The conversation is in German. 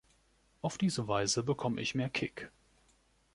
Auf diese Weise bekomme ich mehr Kick.